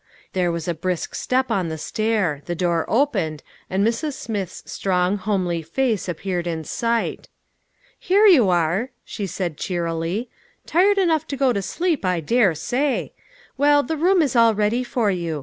There was a brisk step on the stair ; the door opened, and Mrs. Smith's strong, homely face appeared in sight. " Here you are," she said cheerily, " tired enough to go to sleep, I dare say. Well, the room is all ready for you.